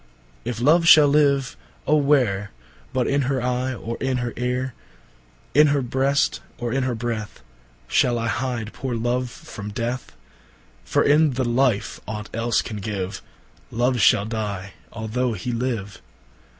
O if Love shall live, ô where, But in her Eye, or in her Eare, In her Brest, or in her Breath, Shall I hide poore Love from Death? For in the life ought else can give, Love shall dye, although he live.